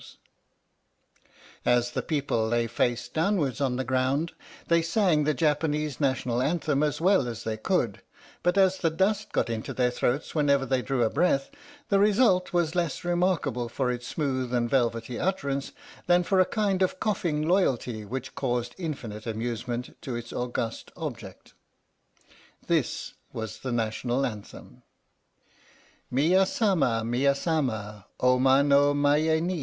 THE STORY OF THE MIKADO As the people lay face downwards on the ground they sang the Japanese National Anthem as well as they could, but as the dust got into their throats whenever they drew a breath, the result was less remarkable for its smooth and velvety utterance than for a kind of coughing loyalty which caused infinite amusement to its august object. This was the National Anthem : Miya sama, miya sama, Ou ma no, maye ni.